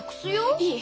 いい。